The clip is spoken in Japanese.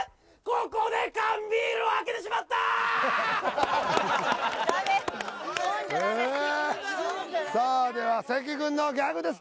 ここで缶ビールを開けてしまったダメ飲んじゃダメええさあでは関君のギャグです